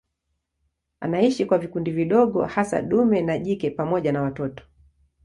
Anaishi kwa vikundi vidogo hasa dume na jike pamoja na watoto.